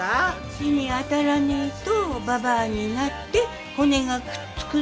日に当たらねえとばばあになって骨がくっつくぞ。